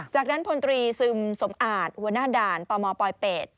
จากนั้นพลตรีซึมสมอาจหัวหน้าด่านตมปลอยเป็ด